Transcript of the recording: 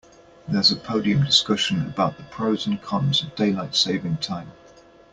There's a podium discussion about the pros and cons of daylight saving time.